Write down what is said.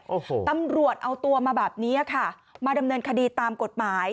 โอ้โหตำรวจเอาตัวมาแบบนี้ค่ะมาดำเนินคดีตามกฎหมาย